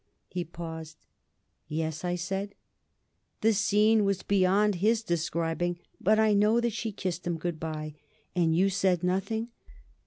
He paused. "Yes," I said. The scene was beyond his describing. But I know that she kissed him good bye. "And you said nothing?"